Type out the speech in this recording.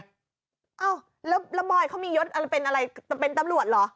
อ้าวแล้วบอยเขามียศอะไรเป็นอะไรเป็นตำรวจเหรอ